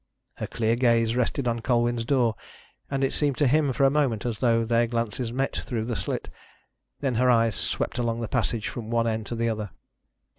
Her clear gaze rested on Colwyn's door, and it seemed to him for a moment as though their glances met through the slit, then her eyes swept along the passage from one end to the other.